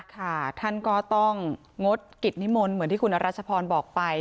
ท่านก็ต้องงดกิจนิมนต์เหมือนที่คุณอรัชพรบอกไป